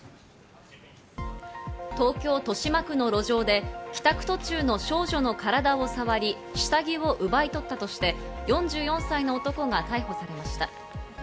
東京・豊島区の路上で、帰宅途中の少女の体を触り、下着を奪い取ったとして、４４歳の男が逮捕されました。